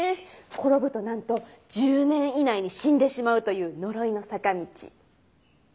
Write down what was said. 転ぶとなんと１０年以内に死んでしまうという呪いの坂道。